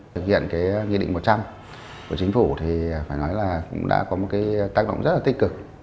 thực hiện cái nghị định một trăm linh của chính phủ thì phải nói là cũng đã có một cái tác động rất là tích cực